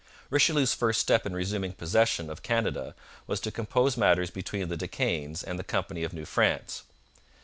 Richelieu's first step in resuming possession of Canada was to compose matters between the De Caens and the Company of New France.